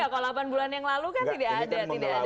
kalau delapan bulan yang lalu kan tidak ada